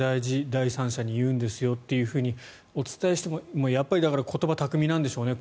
第三者に言うんですよとお伝えしてもやっぱり言葉巧みなんでしょうね。